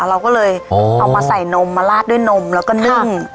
เราก็เลยเอามาใส่นมมาลาดด้วยนมแล้วก็นึ่ง